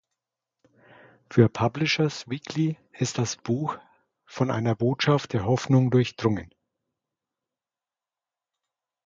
Für Publishers Weekly ist das Buch „von einer Botschaft der Hoffnung durchdrungen“.